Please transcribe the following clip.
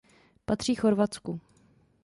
Patří Chorvatsku.